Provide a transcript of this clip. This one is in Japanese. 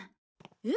えっ？